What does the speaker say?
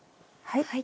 はい。